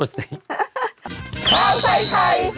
เมื่อไทยทัย